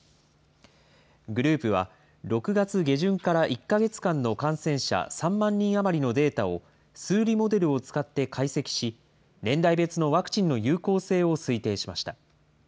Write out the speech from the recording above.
グループは、６月下旬から１か月間の感染者３万人余りのデータを、数理モデルを使って解析し、年代別のワクチンの有効性を推定しました。